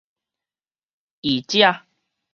奕者